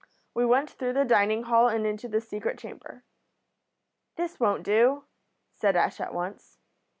We went through the dining hall and into the secret chamber. "'This won't do,' said Ash at once.